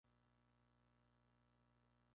La resiliencia tecnológica es posible.